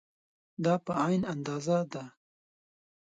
دا په عین اندازه ده.